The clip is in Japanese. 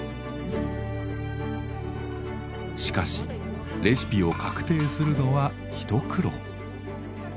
しかしレシピを確定するのは一苦労。